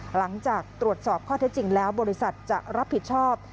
หลังจากตรวจสอบข้อเท็จจริงแล้วบริษัทจะรับผิดชอบ